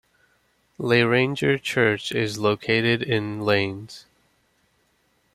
Leiranger Church is located in Leines.